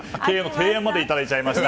提案までいただいちゃいました。